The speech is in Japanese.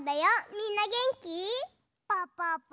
みんなげんき？